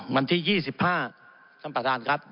วันที่๒๕ท่านประธานครับ